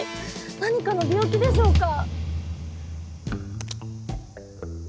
何かの病気でしょうか？